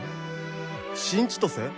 「新千歳？